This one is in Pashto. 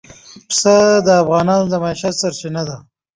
پسه د افغانانو د معیشت سرچینه ده.